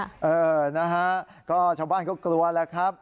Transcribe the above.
นี่นะครับชาวบ้านก็กลัวครับ